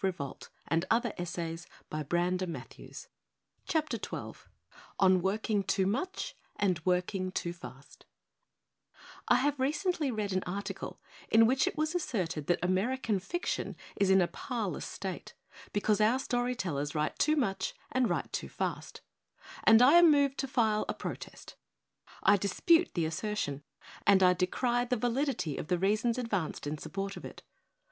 (1919.) 201 XII ON WORKING TOO MUCH AND WORKING TOO FAST XII ON WORKING TOO MUCH AND WORKING TOO FAST 1HAVE recently read an article in which it was asserted that American fiction is in a parlous state, because our story tellers write too much and write too fast; and I am moved to file a protest. I dispute the assertion, and I decry the validity of the reasons advanced in support of it.